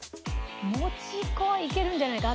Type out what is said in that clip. もち粉はいけるんじゃないか？